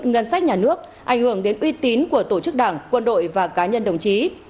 ngân sách nhà nước ảnh hưởng đến uy tín của tổ chức đảng quân đội và cá nhân đồng chí